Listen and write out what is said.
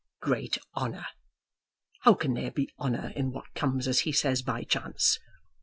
"Great honour! How can there be honour in what comes, as he says, by chance?